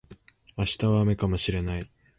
明日は雨かもしれない